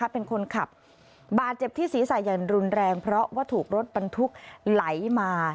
เป็นคนขับบาดเจ็บที่ศีรษะอย่างรุนแรงเพราะว่าถูกรถบรรทุกไหลมา